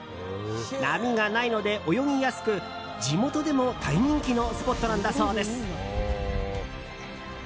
波がないので泳ぎやすく地元でも大人気のスポットなんだそうです。